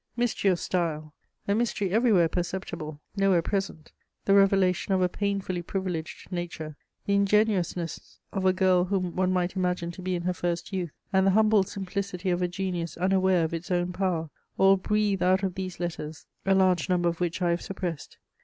* Mystery of style, a mystery everywhere perceptible, nowhere present; the revelation of a painfully privileged nature; the ingenuousness of a girl whom one might imagine to be in her first youth; and the humble simplicity of a genius unaware of its own power, all breathe out of these letters, a large number of which I have suppressed.